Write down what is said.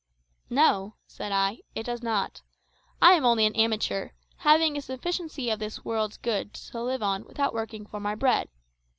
"No," said I, "it does not. I am only an amateur, having a sufficiency of this world's goods to live on without working for my bread.